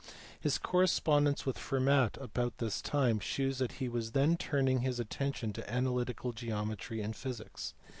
His correspondence with Fermat about this time shews that he was then turning his attention to analytical geometry and physics.